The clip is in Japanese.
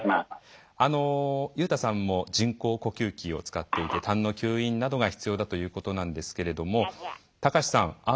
優太さんも人工呼吸器を使っていてたんの吸引などが必要だということなんですけれども崇さん。